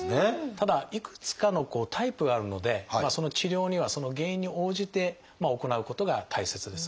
ただいくつかのタイプがあるのでその治療にはその原因に応じて行うことが大切です。